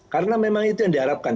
karena memang itu yang diharapkan